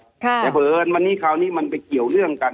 แต่เผอิญวันนี้คราวนี้มันไปเกี่ยวเรื่องกัน